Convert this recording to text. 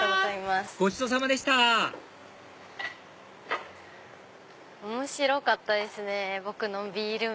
ごちそうさまでした！面白かったですねぼくのビール麺。